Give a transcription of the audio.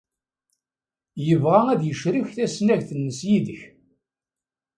Yebɣa ad yecrek tasnagt-nnes yid-k.